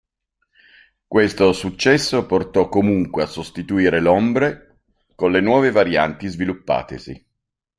Queste successo portò comunque a sostituire l'"Hombre" con le nuove varianti sviluppatesi.